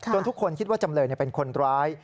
ทุกคนคิดว่าจำเลยเป็นคนร้าย